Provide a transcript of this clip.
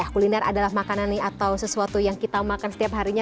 kuliner adalah makanan atau sesuatu yang kita makan setiap harinya